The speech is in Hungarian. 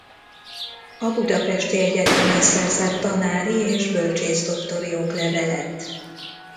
A budapesti egyetemen szerzett tanári és bölcsészdoktori oklevelet.